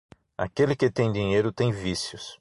Aquele que tem dinheiro tem vícios.